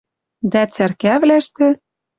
Дӓ цӓркавлӓштӹ